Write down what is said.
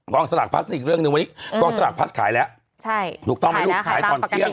กองสลากพลัสเนี้ยอีกเรื่องนึงวันนี้